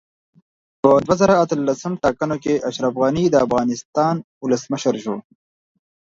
په دوه زره اتلسم ټاکنو کې اشرف غني دا افغانستان اولسمشر شو